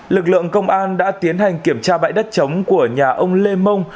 lực lượng công an đã tiến hành kiểm tra bãi đất chống của nhà ông lê mông